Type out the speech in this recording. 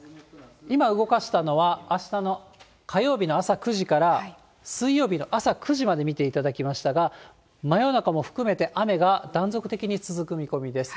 今動かしたのは、あしたの火曜日の朝９時から水曜日の朝９時まで見ていただきましたが、真夜中も含めて雨が断続的に続く見込みです。